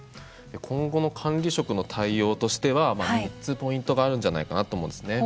今後の管理職の対応としては３つポイントがあると思うんですね。